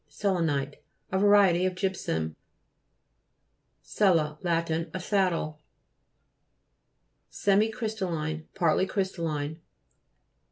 SEL'ENITE A variety of gypsum. SELLA Lat. A saddle. SEMICRT'STALLINE Partly crystal line.